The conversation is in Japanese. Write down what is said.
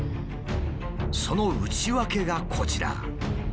その内訳がこちら。